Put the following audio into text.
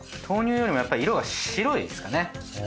豆乳よりもやっぱり色が白いですかね。